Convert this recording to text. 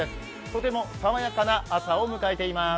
とても爽やかな朝を迎えています。